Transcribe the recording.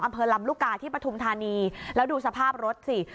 อำเภอลำลูกกาที่ปฐุมธานีแล้วดูสภาพรถสิ